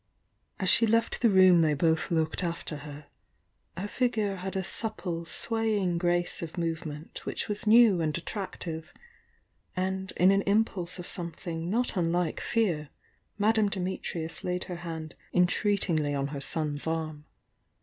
As she left the room they both looked after her,— her figure had a supple, swaying grace of movement which was new and attractive, and in an impulse of something not unlike fear, Madame Dimitrius laid her hand ontreatingly on her son's arm.